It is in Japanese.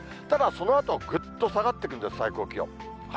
ただそのあと、ぐっと下がってくるんです、最高気温。